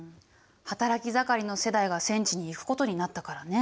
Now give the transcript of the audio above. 働き盛りの世代が戦地に行くことになったからね。